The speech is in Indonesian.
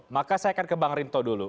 maka saya akan ke bang rinto dulu